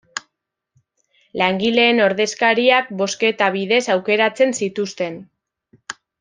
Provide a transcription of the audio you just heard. Langileen ordezkariak bozketa bidez aukeratzen zituzten.